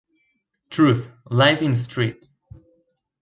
Truth: Live In St.